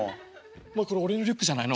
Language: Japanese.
お前これ俺のリュックじゃないの？